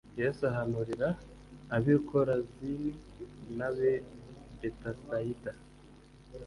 Yesu ahanurira ab i Korazini n ab i Betsayida